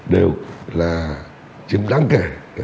đều là chiếm đáng kể